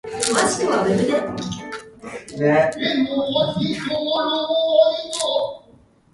Home of Doc Hilt Trails for Off-Highway Vehicles.